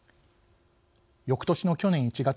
よくとしの去年１月。